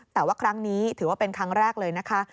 แต่ว่าครั้งนี้ถือว่าเป็นครั้งแรกเลยนะคะ